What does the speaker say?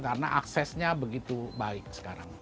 karena aksesnya begitu baik sekarang